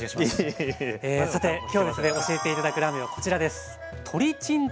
さて今日ですね教えて頂くラーメンはこちらです。